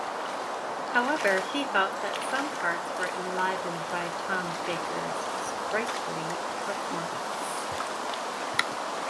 However, he felt that some parts were "enlivened by Tom Baker's sprightly performance".